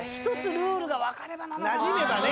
なじめばね。